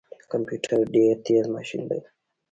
کمپيوټر ډیر تیز ماشین دی